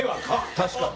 確かに。